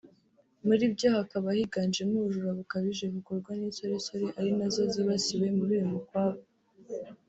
muri byo hakaba higanjemo ubujura bukabije bukorwa n’insoresore ari nazo zibasiwe muri uy’umukwabo